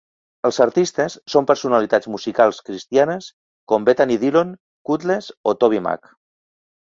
Els artistes són personalitats musicals cristianes com Bethany Dillon, Kutless o tobyMac.